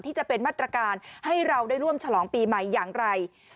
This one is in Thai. จะเป็นมาตรการให้เราได้ร่วมฉลองปีใหม่อย่างไร